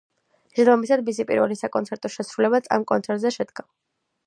შესაბამისად, მისი პირველი საკონცერტო შესრულებაც ამ კონცერტზე შედგა.